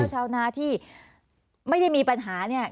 ชาวนาที่ไม่ได้มีปัญหาเนี่ย